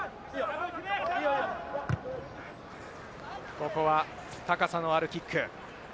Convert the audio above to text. ここは高さのあるキック。